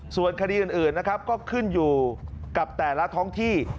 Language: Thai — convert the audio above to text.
ส่วนคดีอื่นนะครับก็ขึ้นอยู่กับแต่ละท้องที่